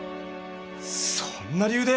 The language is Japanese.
そんな理由で！